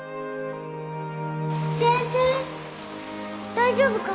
大丈夫か？